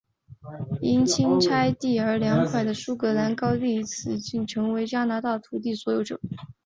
因清拆土地而来的苏格兰高地人也在此期间成为加拿大的土地所有者。